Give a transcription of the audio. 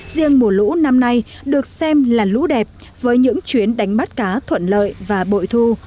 riêng mùa lũ năm nay được xem là lũ đẹp với những chuyến đánh bắt cá thuận lợi và bội thu